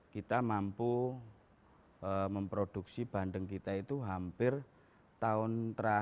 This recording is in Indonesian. kita mampu memproduksi bandeng yang yang bercampur dengan gampang jadi dia tersebut